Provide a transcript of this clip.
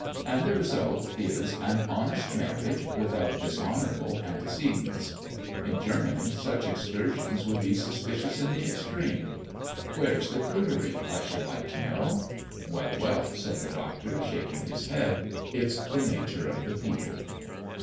And the result is, an honest marriage, without dishonourable antecedents. In Germany, such excursions would be suspicious in the extreme. Where's the prudery, I should like to know." "Well, well," said the Doctor, shaking his head, "it's the nature of the people."